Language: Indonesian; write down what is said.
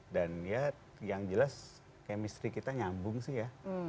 dan ya yang jelas chemistry kita nyambung sih ya